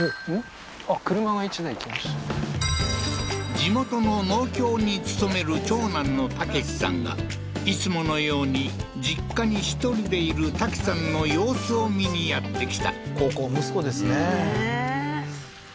地元の農協に勤める長男の武さんがいつものように実家に１人でいるタキさんの様子を見にやって来た孝行息子ですねねえ